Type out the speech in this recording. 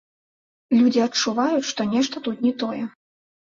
Людзі адчуваюць, што нешта тут не тое.